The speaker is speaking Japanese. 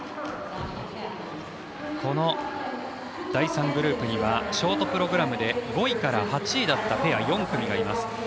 この第３グループにはショートプログラムで５位から８位だったペア４組がいます。